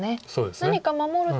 何か守ると。